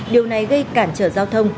điều này gây cản trở giao thông